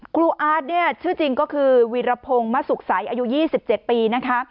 อาร์ตเนี่ยชื่อจริงก็คือวีรพงศ์มะสุขใสอายุ๒๗ปีนะคะ